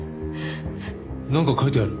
なんか書いてある。